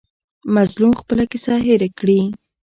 مظلوم خپله کیسه هېر کړي.